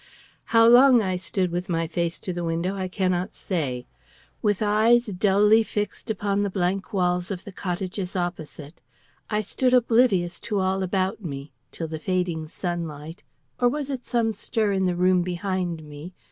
How long I stood with my face to the window I cannot say. With eyes dully fixed upon the blank walls of the cottages opposite, I stood oblivious to all about me till the fading sunlight or was it some stir in the room behind me?